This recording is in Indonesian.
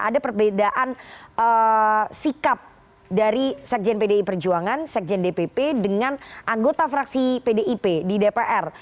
ada perbedaan sikap dari sekjen pdi perjuangan sekjen dpp dengan anggota fraksi pdip di dpr